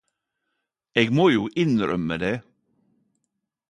Eg må jo innrømme det.